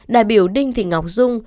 đại biểu đinh thị ngọc dung